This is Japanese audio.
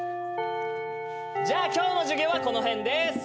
じゃあ今日の授業はこの辺です。